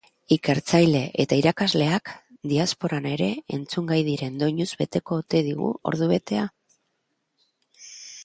Ikertzaile eta irakasleak diasporan ere entzungai diren doinuz beteko ote digu ordubetea?